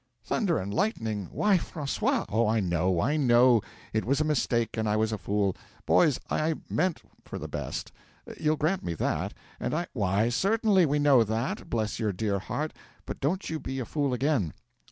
'"Thunder and lightning! Why, Francois " '"Oh, I know I know! It was a mistake, and I was a fool. Boys, I meant for the best; you'll grant me that, and I " '"Why, certainly, we know that, bless your dear heart; but don't you be a fool again."